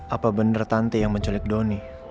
apa bener tanti yang menculik doni